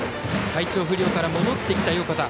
体調不良から戻ってきた横田。